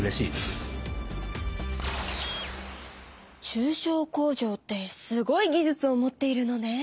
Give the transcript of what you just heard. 中小工場ってすごい技術を持っているのね！